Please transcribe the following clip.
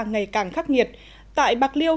ngày càng khắc nghiệt tại bạc liêu